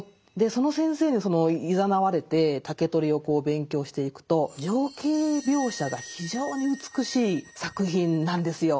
その先生にいざなわれて「竹取」を勉強していくと情景描写が非常に美しい作品なんですよ。